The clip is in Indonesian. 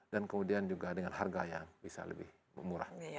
dan kemudian juga dengan harga yang bisa lebih murah